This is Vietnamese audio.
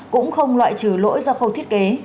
cũng không loại trừ lỗi do khâu thiết kế